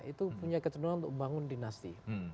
itu punya kecenderungan untuk membangun dinasti